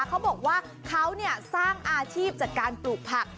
เขาบอกว่าเขาสร้างอาชีพจากการปลูกผัก